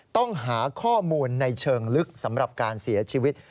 ต้องหาข้อมูลในเชิงลึกสำหรับการเสียชีวิต